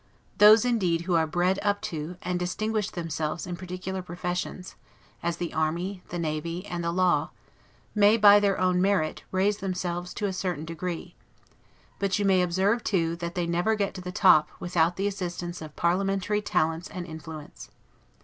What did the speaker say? Those, indeed, who are bred up to, and distinguish themselves in particular professions, as the army, the navy, and the law, may, by their own merit, raise themselves to a certain degree; but you may observe too, that they never get to the top, without the assistance of parliamentary talents and influence.